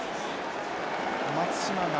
松島が。